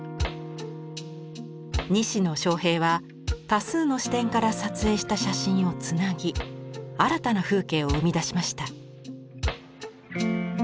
西野壮平は多数の視点から撮影した写真をつなぎ新たな風景を生み出しました。